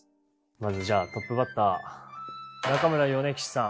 まずじゃあトップバッター中村米吉さん。